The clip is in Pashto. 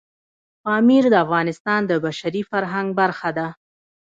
پامیر د افغانستان د بشري فرهنګ برخه ده.